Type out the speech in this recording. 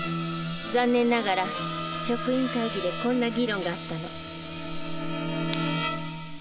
残念ながら職員会議でこんな議論があったの。